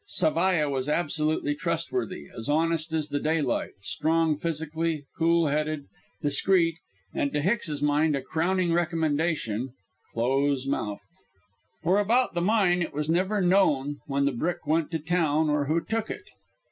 Zavalla was absolutely trustworthy, as honest as the daylight, strong physically, cool headed, discreet, and to Hicks's mind a crowning recommendation close mouthed. For about the mine it was never known when the brick went to town or who took it.